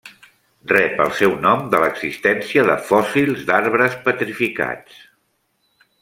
Rep el seu nom de l'existència de fòssils d'arbres petrificats.